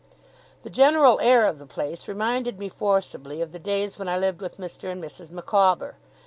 The general air of the place reminded me forcibly of the days when I lived with Mr. and Mrs. Micawber.